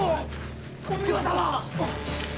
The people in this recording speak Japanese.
お奉行様！